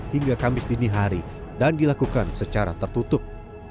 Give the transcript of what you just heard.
hingga kamis dinihari dan dilakukan secara tertutup